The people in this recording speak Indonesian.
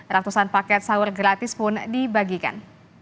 ratusan paket sahur gratis pun dibagikan